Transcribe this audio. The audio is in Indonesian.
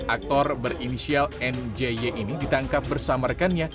aktor berinisial njy ini ditangkap bersama rekannya